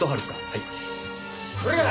はい！